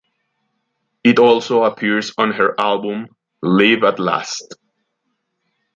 It also appears on her album "Live At Last".